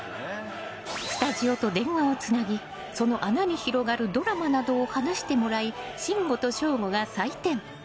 スタジオと電話をつなぎその穴に広がるドラマなどを話してもらい、信五と省吾が採点。